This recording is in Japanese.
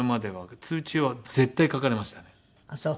ああそう。